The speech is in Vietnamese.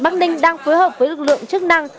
bắc ninh đang phối hợp với lực lượng chức năng